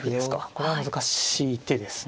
これは難しい手ですね。